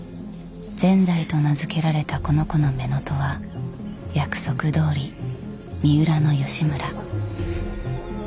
善哉と名付けられたこの子の乳母父は約束どおり三浦義村。